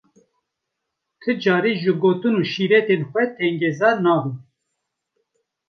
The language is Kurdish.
Ti carî ji gotin û şîretên wê tengezar nabim.